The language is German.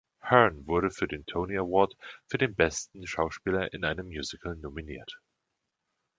Hearn wurde für den Tony Award für den besten Schauspieler in einem Musical nominiert.